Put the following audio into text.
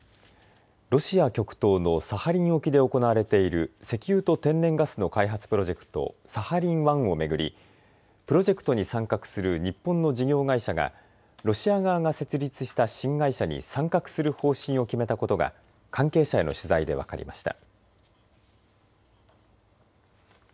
ロシア極東のサハリン沖で行われている石油と天然ガスの開発プロジェクト、サハリン１を巡りプロジェクトに参画する日本の事業会社がロシア側が設立した新会社に参画する方針を決めたことが関係者への取材で分かりました。